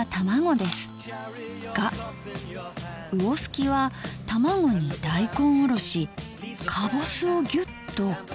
が魚すきは卵に大根おろしかぼすをギュッと。